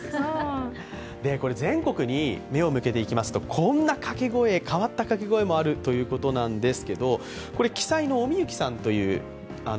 全国に目を向けていきますとこんな変わった掛け声もあるということです。